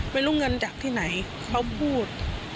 ไม่รู้เงินจากที่ไหนเขาพูด